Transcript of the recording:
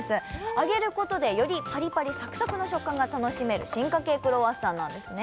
揚げることでよりパリパリサクサクの食感が楽しめる進化系クロワッサンなんですね